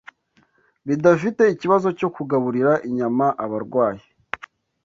bidafite ikibazo cyo kugaburira inyama abarwayi.